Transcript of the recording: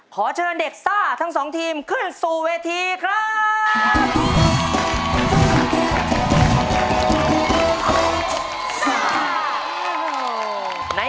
ขอเชิญเด็กซ่าทั้งสองทีมขึ้นสู่เวทีครับ